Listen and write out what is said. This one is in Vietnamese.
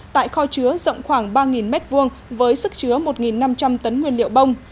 tại kho chứa rộng khoảng ba m hai với sức chứa một năm trăm linh tấn nguyên liệu bông